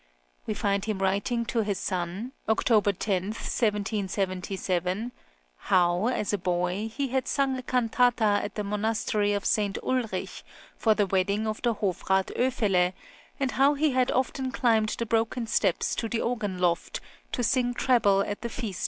We find him writing to his son (October 10, 1777) how, as a boy, he had sung a cantata at the monastery of St. Ulrich, for the wedding of the Hofrath Oefele, and how he had often climbed the broken steps to the organ loft, to sing treble at the Feast {CHILDHOOD.